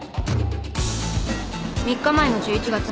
３日前の１１月６日。